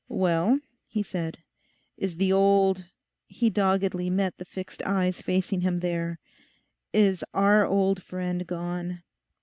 'Well,' he said, 'is the old—' he doggedly met the fixed eyes facing him there, 'is our old friend gone?